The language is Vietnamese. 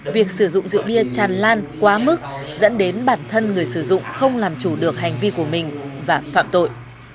việc sử dụng rượu bia tràn lan quá mức dẫn đến bản thân người sử dụng không làm chủ được hành vi của mình và phạm tội